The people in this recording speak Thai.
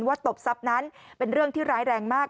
ตบทรัพย์นั้นเป็นเรื่องที่ร้ายแรงมาก